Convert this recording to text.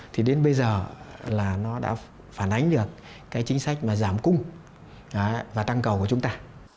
thì đến bây giờ là nó đã phản ánh được cái chính sách mà giảm cung và tăng cầu của chúng ta